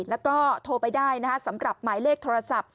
แล้วก็โทรไปได้นะคะสำหรับหมายเลขโทรศัพท์